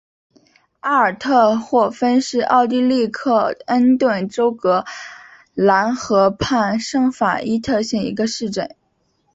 阿尔特霍芬是奥地利克恩顿州格兰河畔圣法伊特县的一个市镇。